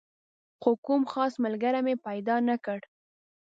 خو کوم خاص ملګری مې پیدا نه کړ.